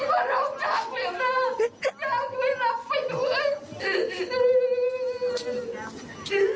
ว่าเราจากเหลืองนาจากไม่รับไปทุกคน